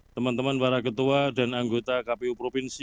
teman teman para ketua dan anggota kpu provinsi